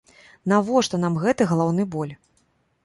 Навошта нам гэты галаўны боль?!